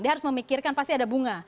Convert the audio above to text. dia harus memikirkan pasti ada bunga